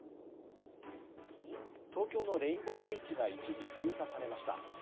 東京のレインボーブリッジが一時封鎖されました。